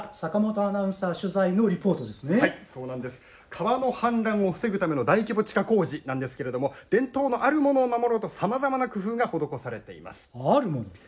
川の氾濫を防ぐための大規模地下工事なんですけれども伝統のあるものを守ろうとさまざまな工夫が施されています。